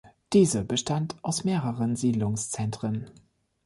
Diese bestand aus mehreren Siedlungszentren.